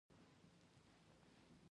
د روم او مصر امپراتوري د همکارۍ شبکه لرله.